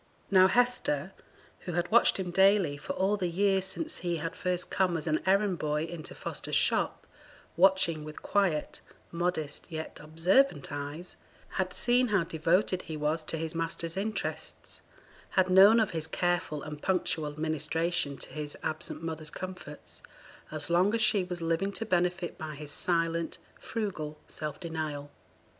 Now Hester, who had watched him daily for all the years since he had first come as an errand boy into Foster's shop watching with quiet, modest, yet observant eyes had seen how devoted he was to his master's interests, had known of his careful and punctual ministration to his absent mother's comforts, as long as she was living to benefit by his silent, frugal self denial.